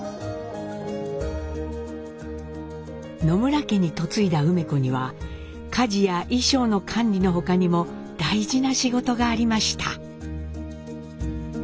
野村家に嫁いだ梅子には家事や衣装の管理の他にも大事な仕事がありました。